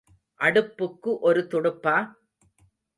அடுப்புக்கு ஒரு துடுப்பா?